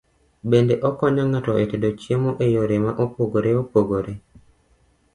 Bende okonyo ng'ato e tedo chiemo e yore ma opogore opogore.